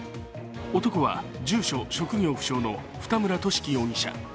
男は住所・職業不詳の二村倫生容疑者。